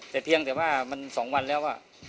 แต่เพียงแต่ว่ามัน๒วันแล้ว